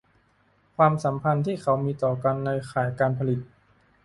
ความสัมพันธ์ที่เขามีต่อกันในข่ายการผลิต